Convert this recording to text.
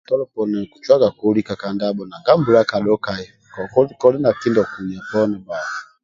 Tolo ponio okucwagaku olika ka ndabho nanga mbula akadhokai koli na kindia okuya poni bba